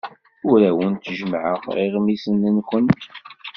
Ur awent-jemmɛeɣ iɣmisen-nwent.